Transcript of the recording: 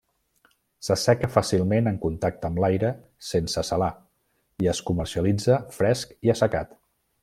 S'asseca fàcilment en contacte amb l'aire sense salar i es comercialitza fresc i assecat.